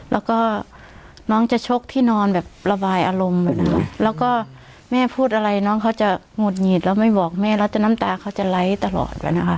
แล้วก็น้องจะชกที่นอนแบบระบายอารมณ์แบบนั้นแล้วก็แม่พูดอะไรน้องเขาจะหงุดหงิดแล้วไม่บอกแม่แล้วจะน้ำตาเขาจะไร้ตลอดไปนะคะ